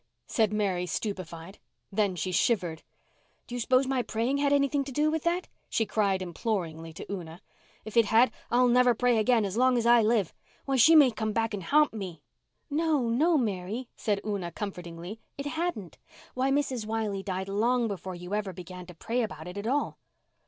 said Mary stupefied. Then she shivered. "Do you s'pose my praying had anything to do with that?" she cried imploringly to Una. "If it had I'll never pray again as long as I live. Why, she may come back and ha'nt me." "No, no, Mary," said Una comfortingly, "it hadn't. Why, Mrs. Wiley died long before you ever began to pray about it at all."